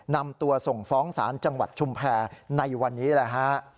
นำตัวส่งฟ้องศาลจังหวัดชุมแพรในวันนี้แหละฮะ